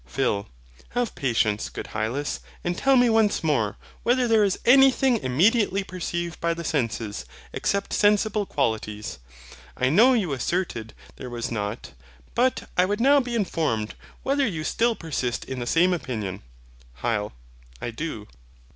PHIL. Have patience, good Hylas; and tell me once more, whether there is anything immediately perceived by the senses, except sensible qualities. I know you asserted there was not; but I would now be informed, whether you still persist in the same opinion. HYL. I do.